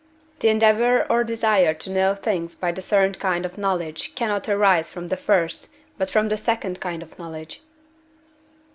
The endeavour or desire to know things by the third kind of knowledge cannot arise from the first, but from the second kind of knowledge.